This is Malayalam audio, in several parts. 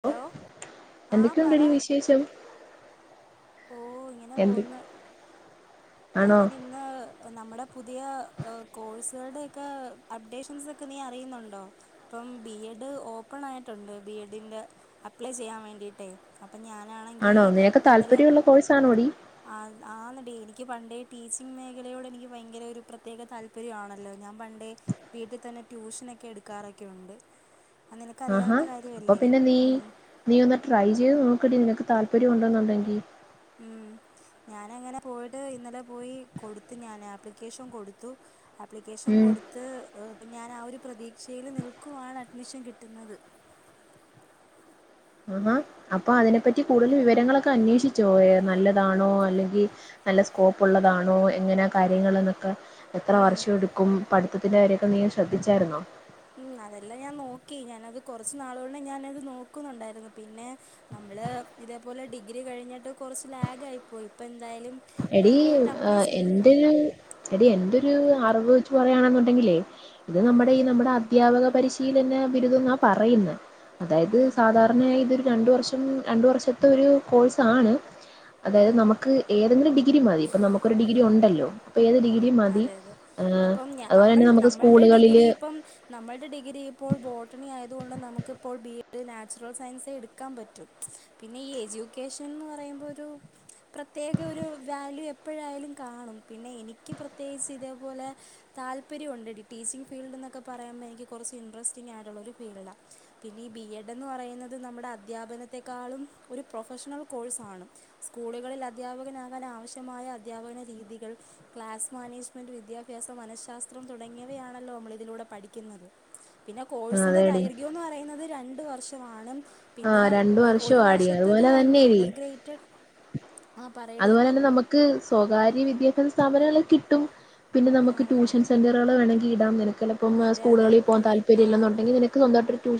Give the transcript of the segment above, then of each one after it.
ഹലോ ആ പറ എന്തൊക്കെയുണ്ടെടി വിശേഷം ഓ ഇങ്ങനെ എന്ത് പോകുന്നു ആണോ ഞാൻ ഇന്ന് നമ്മടെ പുതിയ കോഴ്സ് കളുടെ ഒക്കെ അപ്ഡേഷൻസ് ഒക്കെ നീ അറിയുന്നുണ്ടോ ഇപ്പൊ ബി എഡ് ഓപ്പൺ ആയിട്ടുണ്ട് ബി എഡ് ന്റെ അപ്പളെ ചെയ്യാൻ വേണ്ടിയിട്ടേ അപ്പം ഞാൻ ആണെങ്കിൽ ആണോ നിനക്ക് ഇന്നലെ താല്പര്യമുള്ള കോഴ്സാണോടി ആഹ് ആന്നേടി എനിക്ക് പണ്ടേ ടീച്ചിങ് മേഖലയോട് എനിക്ക് ഭയങ്കര ഒരു പ്രതേക താൽപ്പര്യം ആണല്ലോ ഞാൻ പണ്ടേ വീട്ടിൽതന്നെ ട്യൂഷൻ ഒക്കെ എടുക്കാറുണ്ട് ആഹാ അപ്പൊ പിന്നെ നീ നീ ഒന്ന് ട്രൈ ചെയ്ത് നോ ക്ക് നിനക്ക് താല്പര്യണ്ട് ന്ന് ഉണ്ടെങ്കിൽ മം ഞാൻ അങ്ങനെ പോയിട്ട് ഇന്നലെ പോയി കൊടുത്ത് ഞാൻ അപ്ലിക്കേഷൻ കൊടുത്തു അപ്ലിക്കേഷൻ ഉം കൊടുത്ത് അപ്പൊ ഞാൻ ആ ഒരു പ്രതീക്ഷയിൽ നിൽക്കുവാണ് അപ്ലിക്കേഷൻ കിട്ടുന്നത് ആപ്പോ അതിനെ പറ്റി കൂടുതൽ വിവരങ്ങൾ ഒക്കെ അന്വേഷിച്ചോ നല്ലതാണോ അല്ലങ്കിൽ നല്ല സ്കോപ്പ് ഉള്ളതാണോ എങ്ങനെ കാര്യങ്ങൾ ഒക്കെ എത്ര ഉം വർഷം എടുക്കും പഠിത്തതിന്റെ കാര്യങ്ങൾ ഒക്കെ നീ ശ്രദ്ധിച്ചായിരുന്നോ മം അതെല്ലാം ഞാൻ നോക്കി ഞാൻ അത് കുറച്ച് നാളുകൊണ്ട് ഞാൻ അത് നോക്കുന്നുണ്ടായിരുന്നു പിന്നെ ഞമ്മൾ ഇതേപോലെ ഡിഗ്രി കഴിഞ്ഞിട്ട് കുറച്ച് ലാഗ് ആയിരുന്നു പോയി അപ്പൊ എന്തായാലും എടി ഞാൻ പോയിട്ട് ഏ അപ്ലൈ ചെയ്തു എന്റെ ഒരു എടി എന്റൊരു ഒരു അറിവ് വെച്ച് പറയാണെങ്കിൽ ഉം നമ്മടെ ഈ നമ്മടെ അധ്യാപക പരിശീലന ബിരുദം എന്നാ പറയുന്നത് അതായത് ഉം സാധാരണ ഇതൊരു രണ്ടുവർഷം രണ്ടുവർഷത്തെ ഒരു കോഴ്സാണ് അതായത് നമുക്ക് ഏതെങ്കിലും ഡിഗ്രി മതി ഇപ്പം നമുക്കൊരു മ് ഡിഗ്രി ഉണ്ടല്ലോ അപ്പം ഏത് മ് ഡിഗ്രി മതി അതെ അതെ ആ, അപ്പം അതുപോലെ നമ്മൾ തന്നെ നമുക്ക് നമ്മളുടെ സ്കൂളുകളിൽ ഡിഗ്രി ഇപ്പം നമ്മുടെ ഇപ്പോൾ ബോട്ടണി ആയതുകൊണ്ട് നമുക്കിപ്പോൾ ബി എഡ് നാച്ചുറൽ സയൻസ് എടുക്കാൻ പറ്റും പിന്നെ ഈ എജ്യൂക്കേഷൻ എന്ന് പറയുമ്പോ ഒരു പ്രത്യേക ഒരു വാല്യു എപ്പോഴായാലും കാണും പിന്നെ എനിക്ക് പ്രത്യേകിച്ച് ഇതേപോലെ താല്പര്യമുണ്ട്ടി ടീച്ചിങ് ഫീൽഡ് എന്നൊക്കെ പറയുമ്പോൾ എനിക്ക് കുറച്ച് ഇന്ട്രസ്റ്റിങ് ആയിട്ടുള്ള ഒരു ഫീൽഡാണ് പിന്നെ ഈ ബി എഡ് എന്ന് പറയുന്നത് നമ്മുടെ അധ്യാപനത്തെക്കാളും ഒരു പ്രൊഫഷണൽ കോഴ്സാണ് സ്കൂളുകളിൽ അധ്യാപകനാകാൻ ആവശ്യമായ അധ്യാപകന രീതികൾ ക്ലാസ് മാനേജ്മെന്റ് വിദ്യാഭ്യാസം മനഃശാസ്ത്രം തുടങ്ങിയവയാണല്ലോ നമ്മളിതിലൂടെ പഠിക്കുന്നത് പിന്നെ കോഴ്സിൻ്റെ അതേടി ദൈർഘ്യം ന്ന് പറയുന്നത് രണ് ണ്ട് വർഷമാണ് ആ പിന്നെ രണ്ടു വർഷം ഒരു ആടി വർഷത്തതും അതുപോലെ ഉണ്ട് തന്നെ എടി ഇന്റർഗ്രേറ്റഡ് അതുപോലെ തന്നെ നമുക്ക് സ്വകാര്യ വിദ്യ വിദ്യ സ്ഥാന കിട്ടും പിന്നെ ആ നമക്ക് ട്യൂഷൻ സെന്റുകൾ വേണെങ്കി ഇടാം നിനെ ഒക്കടപ്പ അതെ അതെ സ്കൂളുകളിൽ ആ പോവാൻാപര്യമല്ലെന്നുണ്ടെങ്കി നിനക്ക് സ്വമായിട്ട് ട്ടൊ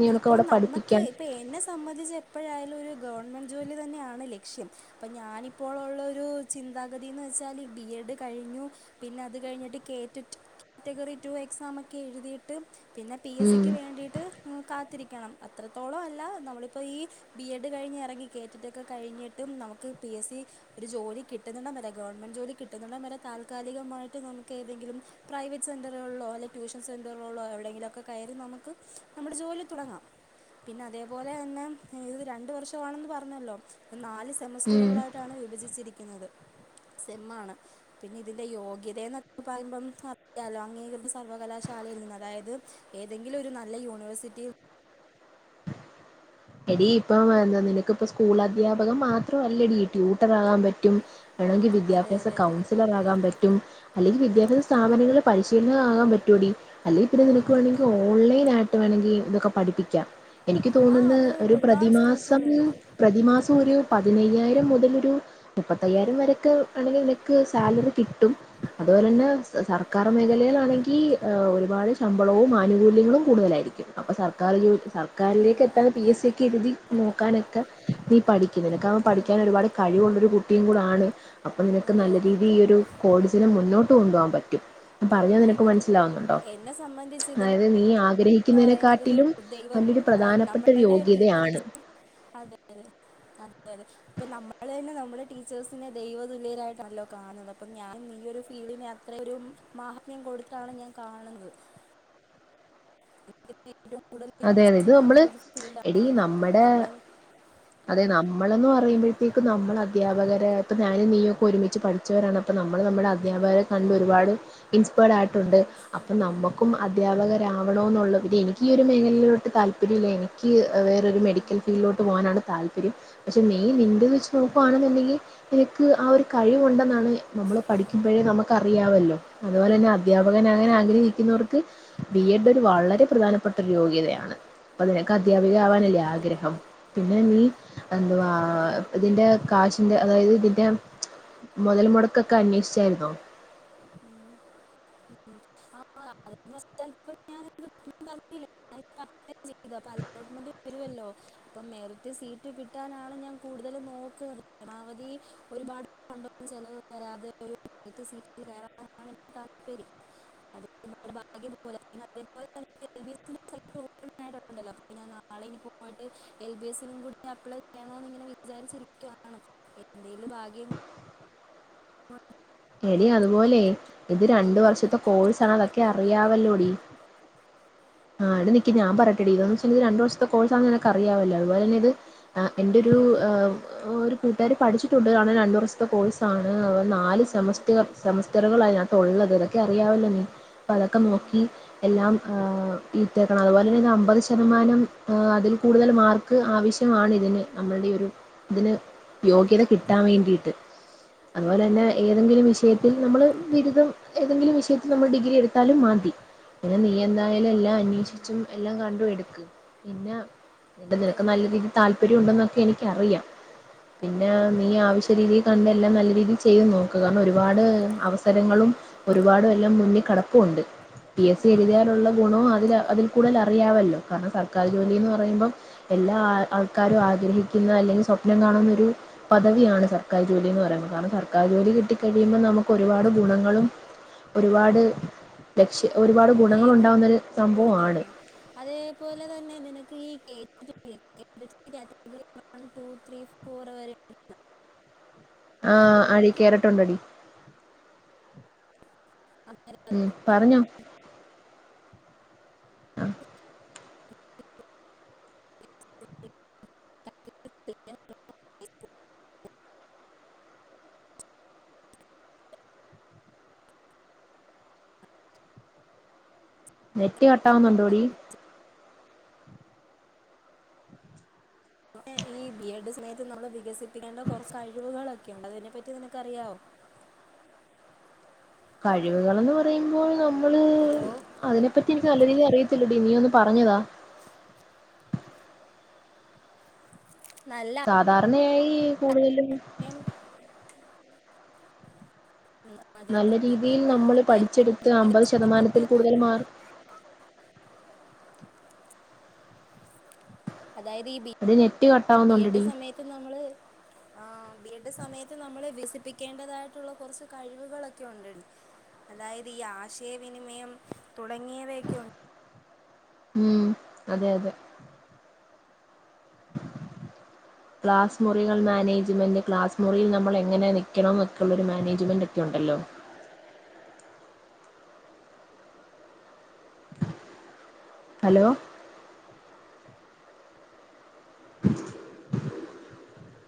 നിനക്കവിടെ പഠിപ്പിക്കാം പ്പെ എന്നെ സംബന്ധിച്ച് എപ്പോഴായാലും ഒരു ഗവൺമെൻറ് ജോലി തന്നെയാണ് ലക്ഷ്യം അപ്പോം ഞാനിപ്പോളുള്ളൊരു ചിന്താഗതി എന്ന് വെച്ചാൽ ബി എഡ് കഴിഞ്ഞു പിന്നെ അത് കഴിഞ്ഞിട്ട് കേറ്ററ്റ് കാറ്റഗറി ടു എക്സാമൊക്കെ എഴുതിയിട്ട് പിന്നെ പി എസ് ഉം സിക്ക് വേണ്ടിട്ട് മം കാത്തിരിക്കണം അത്രത്തോളം അല്ല നമ്മളിപ്പോൾ ഈ ബി എഡ് കഴിഞ്ഞ് ഇറങ്ങി കേറ്റിട്ടൊക്കെ കഴിഞ്ഞിട്ടും നമുക്ക് പി എസ് സി ഒരു ജോലി കിട്ടുന്നുടം വരെ ഗവൺമെൻറ് ജോലി കിട്ടുന്നടം വരെ താൽക്കാലികമായിട്ട് നമുക്ക് ഏതെങ്കിലും പ്രൈവറ്റ് സെൻറുകളിലോ അല്ലെിൽ ട്യൂഷൻ സെൻററുകളിലോ എവിടെയെങ്കിലും ഒക്കെ കയറി നമുക്ക് നമ്മുടെ ജോലി തുടങ്ങാം പിന്നെ അതേപോലെ തന്നെ ഇത് രണ്ട് വർഷമാണെന്ന് പറഞ്ഞല്ലോ നാല് ഉം സെമസ്റ്ററുകളിലായിട്ടാണ് വിഭജിച്ചി നിക്ക്ന്നത് സെന്മാണ് പിന്നെ ഇതിന്റെ യോഗ്യത എന്നൊക്കെ പറയുമ്പം അറിയാലോ അങ്ങീകൃത സർവകലാശാലയിൽ നിന്ന് അതായത് ഏതെങ്കിലും ഒരു നല്ല യൂണ് വേഴ്സിറ്റിയിൽ എടീ ഇപ്പം എന്താ നിനക്കിപ്പ സ്കൂൾ അധ്യാപകം മാത്രല്ലടീ ട്യൂട്ടറാകാൻ പറ്റും വേണെങ്കിൽ അതെ വിദ്യാഭ്യാസ അതെ കൗൺസിലറാകാൻ പറ്റും അല്ലെങ്കിൽ ഉം, വിദ്യാഭ്യാസ സ്ഥാപനങ്ങള പലിഷ് പിന്നതാകാൻ പറ്റോടി അല്ലെങ്കി പിന്നെ ഉം. നിനക്ക് വേണോങ്കി ഓൺലൈൻ ആയിട്ട് ട്ട് വേണങ്കി ഇതൊക്കെ പഠിപ്പിക്കാം എനിക്ക് ആ ആ, തോന്നുന്ന് അതുകൊണ്ട് ഒരു ഒരുപാട് പ്രതിമാസം സ്കോപ്പുകളുണ്ട് പ്രതിമാസം ഒരു പതിനയ്യായിരം മുതൽ ഒരു മുപ്പത്തയ്യായിരം വരൊക്കെ ആണെങ്കി നിനക്ക് സാലറി കിട്ടും അതുപോലെ തന്നെ സർക്കാർ മേഖലയിലാണെങ്കി ഒരുപാട് ശമ്പളവും ആനുകൂല്യങ്ങളും കൂടുതലായിരിക്കും അപ്പൊ സർക്കാർ ജോലി ഉം, സർക്കാരിലേക്കെത്താൻ പി അതെ എസ് സി അതെ കെരുതി നോക്കാനൊക്കെ നീ പഠിക്ക് നിനക്കാവുമ്പൊ ഉം, പഠിക്കാൻ ഒരുപാട് കഴിവുള്ളൊരു കുട്ടിയും കൂടെ ആണ് അപ്പൊ നിനക്ക് അതെ നല്ല അതെ രീതി ഈ ഒരു കോടജനെ മുന്നോ കൊണ്ടു പോകാൻ പറ്റും പറഞ്ഞത് അതെ നിനക്ക് അതെ മനസ്സിലാവുന്നുണ്ടോ എന്നെ സംബന്ധിച്ച് ഇതെന്ന് അതായത് നീ ആ പറയുന്നതൊരു ഗ്രഹിക്കുന്നതിനെകാട്ടിലും ദൈവ വലിയൊരു ആ, പ്രധാനപ്പെട്ടൊരു യോ നമ്മളുടെ [inaudible] അതെ അതെ അ അതെ അതെ ഇപ്പ നമ്മള് തന്നെ നമ്മടെ ടീച്ചേഴ്‌സിനെ ദൈവ തുല്യരായിട്ടാലോ കാണണത് അപ്പൊ ഞാനും നീയൊരു ഫീൽഡിന് അത്രെയൊരും മാഹാത്മ്യം കൊടുത്താണ് ഞാൻ കാണുന്നത് [unintelligible] ഏറ്റവും കൂടുതൽ അതെ അതെ ഇത് നമ്മൾ ഇൻഡ്രസ്റ്റിങ്ങായിട്ടുള്ളൊരു ഫീൽഡ് എടി ആണ് നമ്മള് മ്മളെന്ന് പറയുമ്പഴത്തേക്കും നമ്മൾ അധ്യാപകരായിട്ട് ഞാനും നീയൊക്കെ ഒരുമിച്ച് പഠിച്ചവരാണ് അപ്പം നമ്മൾ നമ്മടെ അധ്യാപകരെ കണ്ട് ഒരുപാട് ഇൻസ്പേട് ആയിട്ടൊണ്ട് അപ്പം നമ്മക്കും അധ്യാപക രാവണോന്നൊള്ള എഡി എനിക്ക് ങ്ങിലോട്ട് താൽപ്പര്യം ഇല്ല എനിക്ക് ഏ വേറൊരു മെഡിക്കൽ ഫീൽഡിലോട്ട് പോവാനാണ് താൽ [unintelligible] പക്ഷെ നീ നിന്റത് വെച്ച് നോക്കുവാണെന്നുണ്ടങ്കി നിനക്ക് ആ ഒരു കഴിവുണ്ടെന്നാണ് നമ്മള് പഠിക്കുമമ്പൊഴേ നമ നമുക്കറിയാവല്ലോ അതുപോലെ തന്നെ അ അധ്യാപകനാകാൻ ആഗ്രഹിക്കുന്നവർക്ക് ബി എഡ് ഒരു വളരെ പ്രധാന പ്പെട്ട ഒരു യോഗ്യതയാണ് അപ്പൊ നിനക്ക് അധ്യാ അധ്യാപിക്ക ആവാനല്ലേ അതെ ആഗ്രഹം അതെ പിന്നെ നീ എന്തുവാ അതെ അതെ ഇതിന്റെ കാശ് ഇതിന്റെ അതായത് ഇതിന്റെ മൊതൽമൊടക്കൊക്കെ അന്വേഷിച്ചാരുന്നോ മ്മ് [inaudible] അപ്പൊ അലോട്ട്മെന്റ് വരുവല്ലോ അപ്പം മെറിറ്റ് സീറ്റ് കിട്ടാനാണ് ഞാൻ കൂടുതലും നോക്കുന്നത് ഒന്നാമത് ഈ ഒരുപാട് ഫണ്ടൊന്നും ചെലവ് വരാതെ ഒരു അങ്ങനത്തെ സീറ്റ് വേണമെന്നാണ് എനിക്ക് താൽപ്പര്യം അതിപ്പോ നമ്മടെ ഭാഗ്യം പോലെ പിന്നെ [inaudible] ഫുൾ നേരമുണ്ടല്ലോ അപ്പൊ ഞാൻ നാളെയും ഇനി പോയിട്ട് എൽ ബി എസിനും കൂടെ അപ്ലൈ ചെയ്യണോനിങ്ങനെ വിചാരിച്ചിരിക്കുവാണ് എന്തേലും ഭാഗ്യം [inaudible] നീ അതുപോലെ ഇത് രണ്ട് എന്തെങ്കിലും ഒരു വർഷത്തെ കോഴ്സാണ് അതൊക്കെ പോവാലോ. അറിയാവല്ലോടി ആഹ് അത് നി നിക്ക് ഞാൻ പറയട്ടഡി ഇതന്ന് വെച്ചാ ഇനി രണ്ട് വർഷത്തെ കോഴ്സാന്ന് നിനക്ക് അറിയാവല്ലോ അതുപോലെ തന്നെ ഇത് ആഹ് എന്റെ ഒരു അതെ അതെ ആഹ് ഒരു [unintelligible] പഠിച്ച [unintelligible] രണ്ട് വർഷത്തെ കോഴ്സാണ് അത് നാല് സെ ഉം, സെമസ്റ്റ് സെമസ്റ്ററുകളാ അതിനകത്ത് ഒള്ളത് ഇത നിന്നെ അറിയാവല്ലോ നീ ഉം. അപ്പൊ അതൊക്കെ ഉം. നോക്കി എല്ലാം ആഹ് ഈറ്റേക്കണം അതുപോലെ തന്നെ അമ്പത് ശതമാനം ആഹ് അതിൽ കൂടുതൽ മാർക്ക് ആവശ്യം അണിതിന് നമ്മൾടെ ഈ ഒരു ഇതിന് യോഗ്യത അതെ കിട്ടാൻ അതെ വേണ്ടീട്ട് അതുപോലെതന്നെ ഏതെങ്കിലും ഉം. വിഷയത്തിൽ നമ്മള് ബിരുദം ഏതെങ്കിലും വിഷയത്തിൽ നമ്മള് ഡിഗ്രി എടുത്താലും മതി പിന്നെ നീയെന്ന ലെല്ലാം ഉം. അന്വേഷിച്ചും എല്ലാം കണ്ടുഎടുത്തും പിന്ന പിന്നെ അതെ നിനക്ക് അതെ നല്ല രീതിയിൽ താല്പര്യമുണ്ടെന്നാണ് എനിക്കറിയാം. പിന്നേ ഉം. നീ ആവിശ്യരീതിയി അന്നെല്ലാം നല്ല രീതിയിൽ ചെയ്യ്വെന്നോ? അതുകാരണം ഒരുപാടു അവസരങ്ങളും ഒരുപാടു എല്ലാം മുന്നിക്കിടപ്പുവൊണ്ട്. പി എസ് സി എഴുതിയാലുള്ള ഗുണോം അതില് അതിൽ കൂടുതൽ അറിയാവല്ലോ കാരണം സർക്കാർ ജോലിന്നു പറയുമ്പം എല്ലാ ആൾക്കാരും ആഗ്രഹിക്കുന്ന അല്ലെങ്കിൽ സ്വപ്നം കാണുന്ന ഒരു പദവിയാണ് സർക്കാർ ജോലിന്ന് പറയുന്നത് കാരണം സർക്കാർ ജോലി കിട് ക്കഴിയുമ്പോൾ നമുക്കൊരുപാട് ഗുണങ്ങളും ഒരുപാട് വെ [unintelligible] അതേപോലെതന്നെ നിനക് [unintelligible] വൺ ടു ത്രീ ഫോർ വരേ ആ അഴീക്കേറട്ടൊണ്ടെടീ. ഉം പറഞ്ഞോ. ആ [unintelligible] നെറ്റ് കട്ടാവുന്നൊണ്ടോടീ? പിന്നേ ഈ ബി എഡ് സമയത്ത് നമ്മള് വിക പ്പിക്കേണ്ട കൊറേ കഴിവുക യ്കണ്ടതിനെപ്പറ്റി നിനക്കറിയാവോ? കഴിവുകളെന്നു പറയുമ്പോൾ നമ് മ്മള് ഹലോ അതിനെപ്പറ്റി എനിക്ക് നല്ല രീതീ [unintelligible] ത്തില്ലടി നീയൊന്നു പറഞ്ഞുതാ. നല്ല സാധാരണയായി ഈ കൂടുതലും അഭിപ്രായം. ഉം. അതെ നല്ല അതെ അതെ രീതിയിൽ നമ്മൾ അതായത് ഈ പഠിച്ചെടുത്ത് അമ്പതു സമയത്ത് ശതമാനത്തിൽ കൂടുതൽ മാർ അതായതീ ബി അത് നെറ്റ് ബി എഡ് കട്ടാവുന്നുണ്ടെടി സമയത്ത് നമ്മള് ആ ബി എഡ് സമയത്ത് നമ്മള് വികസിപ്പിക്കേണ്ടതായിട്ടുള്ള കുറച്ച് കഴിവുകളൊക്കെ ഒണ്ടെടീ. അതായതു ഈ ആശയവിനിമയം തുടങ്ങിയവയൊക്കെ ഒണ്ട്. ഉം അതെയതെ. ക്ലാസ്സ്‌ മുറികൾ മാനേജ്മെന്റ് ക്ലാസ്സ്‌ മുറിയിൽ നമ്മൾ എങ്ങനെ നിക്കണംന്നൊക്കെയൊള്ളൊരു മാനേജ്‌മന്റ് ഒക്കെ ഒണ്ടല്ലോ? ഹലോ [unintelligible]